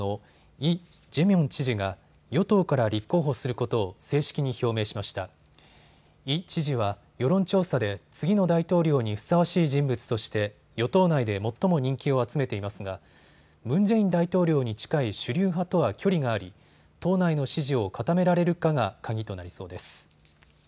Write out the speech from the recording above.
イ知事は世論調査で次の大統領にふさわしい人物として与党内で最も人気を集めていますがムン・ジェイン大統領に近い主流派とは距離があり党内の支持を固められるかが鍵となりそうです。